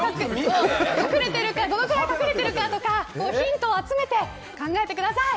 どのくらい隠れてるかとかヒントを集めて考えてください。